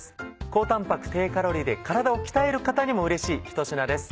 高タンパク低カロリーで体を鍛える方にもうれしいひと品です。